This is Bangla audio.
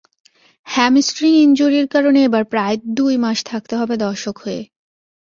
হ্যামস্ট্রিং ইনজুরির কারণে এবার প্রায় দুই মাস থাকতে হবে দর্শক হয়ে।